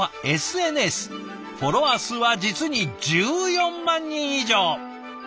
フォロワー数は実に１４万人以上。